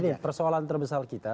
ini persoalan terbesar kita